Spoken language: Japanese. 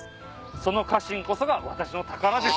その家臣こそが私の宝です」